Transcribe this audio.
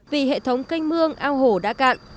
vì hệ thống canh mương ao hổ đã cạn